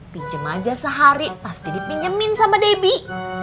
pinjem aja sehari pasti dipinyemin sama debbie